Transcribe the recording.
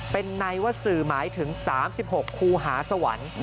เป็นในว่าสื่อหมายถึง๓๖ครูหาสวรรค์